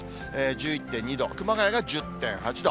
１１．２度、熊谷が１０．８度。